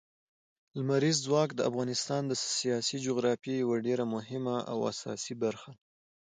لمریز ځواک د افغانستان د سیاسي جغرافیې یوه ډېره مهمه او اساسي برخه ده.